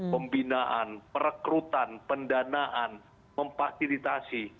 pembinaan perekrutan pendanaan memfasilitasi